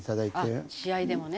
あっ試合でもね。